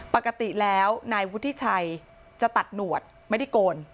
ปกติแล้วนายวุฒิชัยจะตัดหนวดไม่ได้โกน